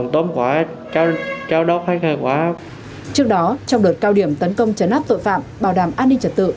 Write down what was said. trước đó trong đợt cao điểm tấn công chấn áp tội phạm bảo đảm an ninh trật tự